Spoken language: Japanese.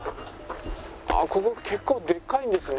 ここ結構でっかいんですね。